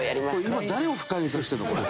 「今誰を不快にさせてるの？これ」